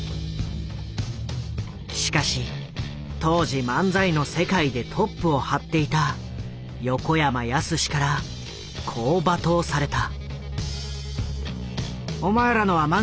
しかし当時漫才の世界でトップをはっていた横山やすしからこう罵倒された。